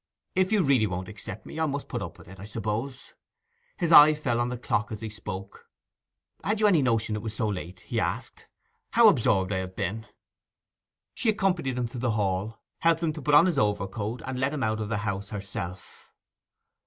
'If you really won't accept me, I must put up with it, I suppose.' His eye fell on the clock as he spoke. 'Had you any notion that it was so late?' he asked. 'How absorbed I have been!' She accompanied him to the hall, helped him to put on his overcoat, and let him out of the house herself.